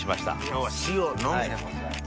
今日は塩のみでございます。